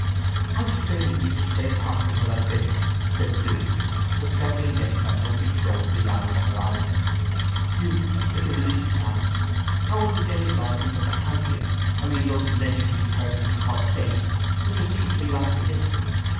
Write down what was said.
"How strange of you to stay apart from her like this!" said Sue, her trembling lip and lumpy throat belying her irony. "You, such a religious man. How will the demi gods in your Pantheon—I mean those legendary persons you call saints—intercede for you after this?